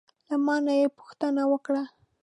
له ما نه یې پوښتنه وکړه: